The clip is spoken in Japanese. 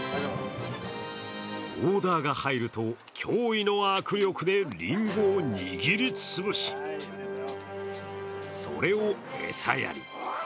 オーダーが入ると驚異の握力でりんごを握りつぶしそれを餌やり。